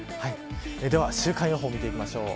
では週間予報を見ていきましょう。